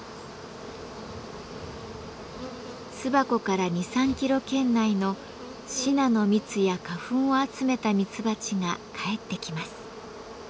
巣箱から２３キロ圏内のシナの蜜や花粉を集めたミツバチが帰ってきます。